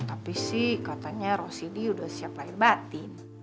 tapi sih katanya rosidi udah siap lahir batin